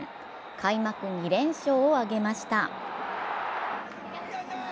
開幕２連勝を挙げました。